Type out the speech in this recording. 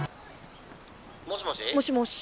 「もしもし？」。